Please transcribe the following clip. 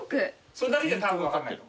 それだけじゃたぶん分かんない。